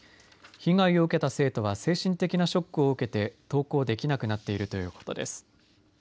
被害を受けた生徒は精神的なショックを受けて登校できなくなっているということです。